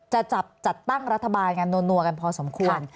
จะจับตั้งรัฐบาลอย่างนวกันพอสมควร